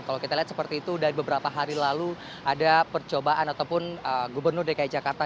kalau kita lihat seperti itu dan beberapa hari lalu ada percobaan ataupun gubernur dki jakarta